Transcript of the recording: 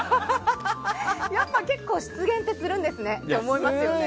やっぱ結構失言ってするんだなと思いますね。